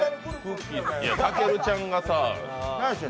たけるちゃんがさあ。